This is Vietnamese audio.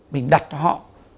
mình đặt họ